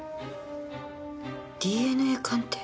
「ＤＮＡ鑑定」。